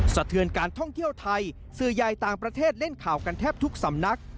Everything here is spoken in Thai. สะเทือนการท่องเที่ยวไทยสื่อใหญ่ต่างประเทศเล่นข่าวกันแทบทุกสำนัก